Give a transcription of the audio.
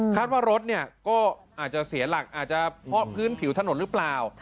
ว่ารถเนี่ยก็อาจจะเสียหลักอาจจะเพราะพื้นผิวถนนหรือเปล่า